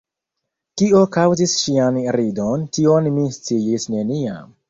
Kio kaŭzis ŝian ridon, tion mi sciis neniam.